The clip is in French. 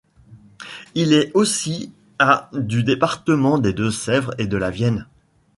Il est aussi à du département des Deux-Sèvres et de la Vienne.